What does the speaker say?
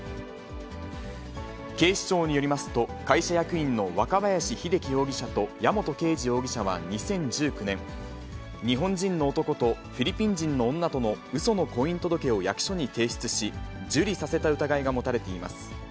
警視庁によりますと、会社役員の若林秀機容疑者と矢本啓二容疑者は２０１９年、日本人の男とフィリピン人の女とのうその婚姻届を役所に提出し、受理させた疑いが持たれています。